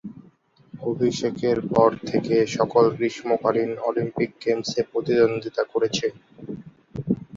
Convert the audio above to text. অভিষেকের পর থেকে সকল গ্রীষ্মকালীন অলিম্পিক গেমসে প্রতিদ্বন্দ্বিতা করেছে।